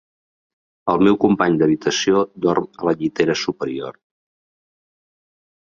El meu company d'habitació dorm a la llitera superior.